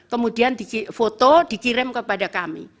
kemudian di foto dikirim kepada kami